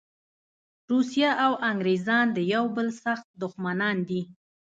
روسیه او انګریزان د یوه بل سخت دښمنان دي.